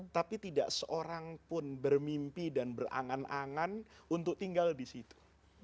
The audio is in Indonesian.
tapi tidak seorang pun bermimpi dan berangan angan untuk tinggal di situ